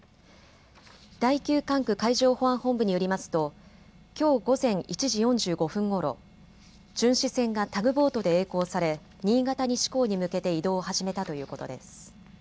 第９管区海上保安本部によりますときょう午前１時４５分ごろ、巡視船がタグボートでえい航され新潟西港に向けて移動を始めたということです。